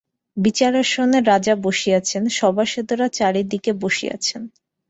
বিচারাসনে রাজা বসিয়াছেন, সভাসদেরা চারি দিকে বসিয়াছেন।